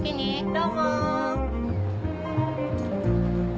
どうも。